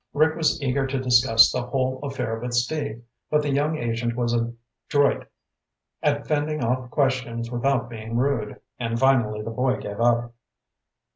Rick was eager to discuss the whole affair with Steve, but the young agent was adroit at fending off questions without being rude, and finally the boy gave up.